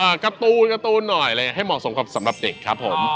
อ่ะการ์ตูนหน่อยให้เหมาะสมครับสำหรับเด็กครับผม